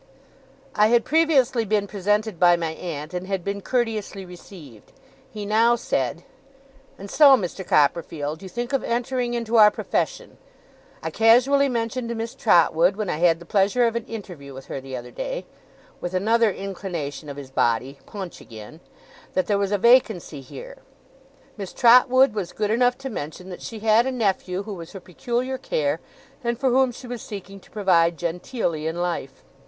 I had previously been presented by my aunt, and had been courteously received. He now said: 'And so, Mr. Copperfield, you think of entering into our profession? I casually mentioned to Miss Trotwood, when I had the pleasure of an interview with her the other day,' with another inclination of his body Punch again 'that there was a vacancy here. Miss Trotwood was good enough to mention that she had a nephew who was her peculiar care, and for whom she was seeking to provide genteelly in life.